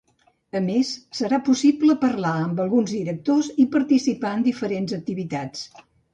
A més, serà possible parlar amb alguns directors i participar en diferents activitats.